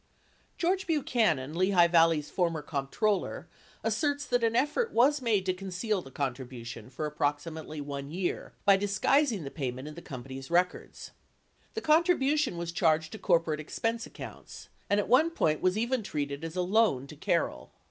George Buchanan, Lehigh Valley's former comptroller, asserts that an effort was made to conceal the contribution for approximately 1 year by disguising the payment in the company's records. The con tribution was charged to corporate expense accounts, and at one point was even treated as a loan to Carroll.